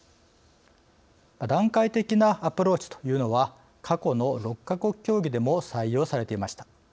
段階的なアプローチというのは過去の６か国協議でも採用されていました。